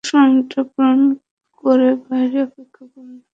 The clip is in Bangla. এই ফর্মটা পূরণ করে বাইরে অপেক্ষা করো।